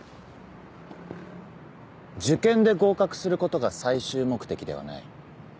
受験で合格することが最終目的ではない。